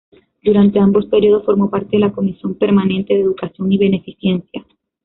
Durante ambos períodos formó parte de la comisión permanente de Educación y Beneficencia.